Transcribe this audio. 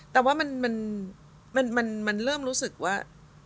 แต่ว่ามันเริ่มรู้สึกว่า